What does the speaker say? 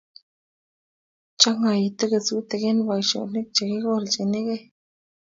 Chongoitu kesutik eng boisionik chekikochinegei